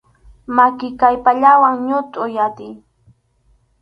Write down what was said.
Maki kallpallawan ñutʼuy atiy.